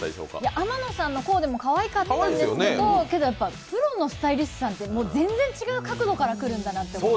天野さんのコーデもかわいかったんですけど、プロのスタイリストさんって全然違う角度から来るんだな。